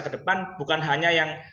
kedepan bukan hanya yang